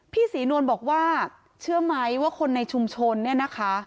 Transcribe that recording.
พี่ศรีนวลบอกว่าเชื่อไหมว่าคนในชุมชนเนี่ยนะคะ